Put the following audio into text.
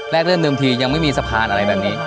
แรกเรื่องชัดยังไม่มีสะพานอะไรแบบนี้